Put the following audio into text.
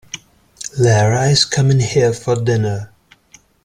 Lara is coming here for dinner.